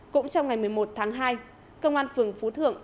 cũng trong ngày một mươi một tháng hai công an phường phú thượng